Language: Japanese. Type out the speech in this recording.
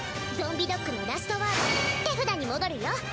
ゾンビドッグのラストワード手札に戻るよ。